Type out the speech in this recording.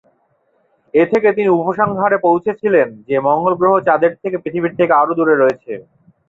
এ থেকে তিনি উপসংহারে পৌঁছেছিলেন যে মঙ্গল গ্রহ চাঁদের চেয়ে পৃথিবী থেকে আরও দূরে রয়েছে।